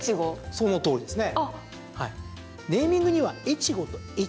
そのとおりですね。